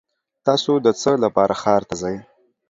تاسو د څه لپاره ښار ته ځئ؟